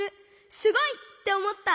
すごい！」っておもった！